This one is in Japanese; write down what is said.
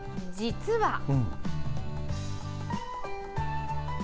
実は。